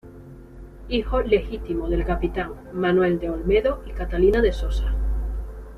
Hijo legítimo del capitán Manuel de Olmedo y Catalina de Sosa.